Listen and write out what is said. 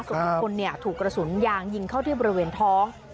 ส่วนอีกคนถูกกระสุนยางยิงเข้าที่บริเวณท้อง